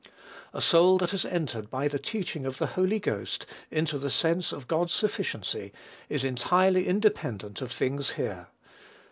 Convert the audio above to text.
A soul that has entered by the teaching of the Holy Ghost into the sense of God's sufficiency, is entirely independent of things here.